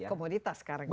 komoditas sekarang ya